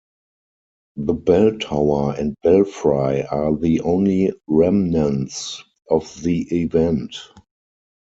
The bell-tower and belfry are the only remnants of the event.